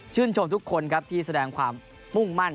ชมทุกคนครับที่แสดงความมุ่งมั่น